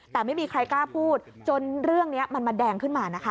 แต่ไม่มีใครกล้าพูดจนเรื่องนี้มันมาแดงขึ้นมานะคะ